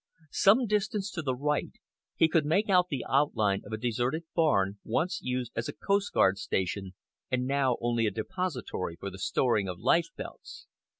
Some distance to the right he could make out the outline of a deserted barn, once used as a coast guard station and now only a depository for the storing of life belts.